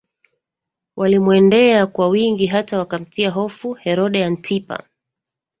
walimuendea kwa wingi hata wakamtia hofu Herode Antipa